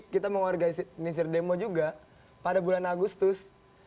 kita mengorganisir demo juga pada bulan agustus dua ribu delapan belas